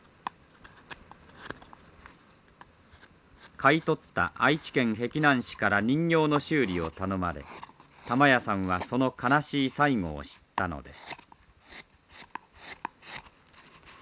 買い取った愛知県碧南市から人形の修理を頼まれ玉屋さんはその悲しい最後を知ったのです。